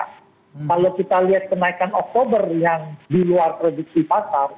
kalau kita lihat kenaikan oktober yang di luar produksi pasar